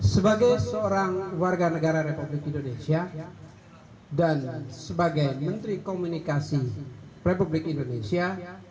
sebagai seorang warga negara republik indonesia dan sebagai menteri komunikasi republik indonesia